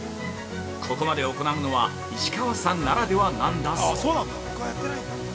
ここまで行うのは石川さんならではなんだそう。